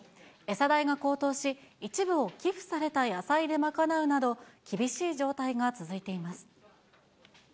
餌代が高騰し、一部を寄付された野菜で賄うなど、厳しい状態が続いています。